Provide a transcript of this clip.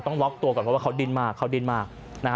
ต้องล็อกตัวก่อนเพราะว่าเขาดิ้นมากนะฮะ